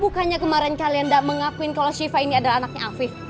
bukannya kemarin kalian tidak mengakuin kalau shiva ini adalah anaknya afif